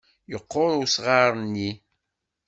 Yeqqur usɣar-nni.